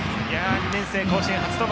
２年生、甲子園初登板。